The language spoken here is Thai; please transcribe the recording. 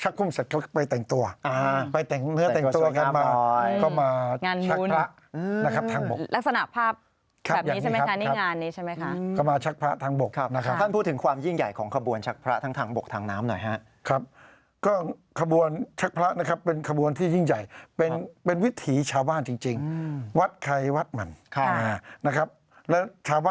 คุณผู้สูงอายุทั้งนั้นมายิ้มแย้มเจ็มใสครับ